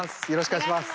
お願いします。